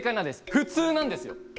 普通なんですよ。